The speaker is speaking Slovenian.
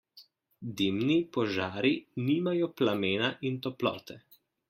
Dimni požari nimajo plamena in toplote.